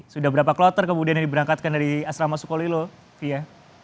sudah berapa kloter kemudian yang diberangkatkan dari asrama sukolilo fia